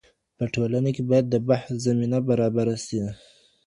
په ټولنه کي باید د بحث زمینه برابره سي.